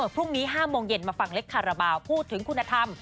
พรุ่งนี้๕โมงเย็นมาฟังเล็กคาราบาลพูดถึงคุณธรรม